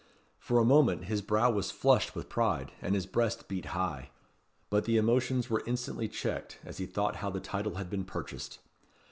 For a moment, his brow was flushed with pride, and his breast beat high; but the emotions were instantly checked, as he thought how the title had been purchased.